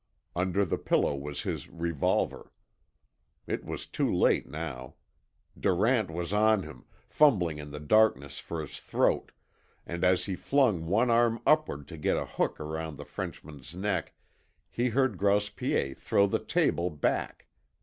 Under the pillow was his revolver. It was too late now. Durant was on him, fumbling in the darkness for his throat, and as he flung one arm upward to get a hook around the Frenchman's neck he heard Grouse Piet throw the table back.